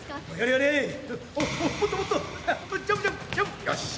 よし！